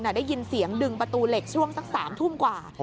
ได้ยินเสียงดึงประตูเหล็กช่วงสัก๓ทุ่มกว่า